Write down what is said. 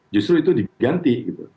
justru itu diganti